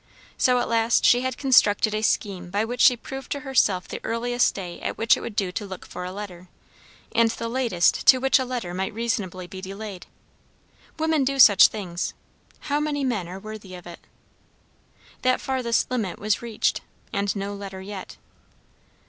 So at last she had constructed a scheme by which she proved to herself the earliest day at which it would do to look for a letter, and the latest to which a letter might reasonably be delayed. Women do such things. How many men are worthy of it? That farthest limit was reached, and no letter yet.